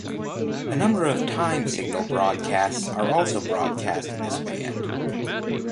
A number of time signal broadcasts are also broadcast in this band.